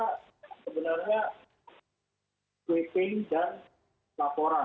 laporan dengan salah jenderal tingkat darurat